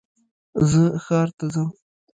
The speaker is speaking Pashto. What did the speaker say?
زه ښار ته ځم